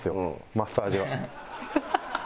マッサージ屋。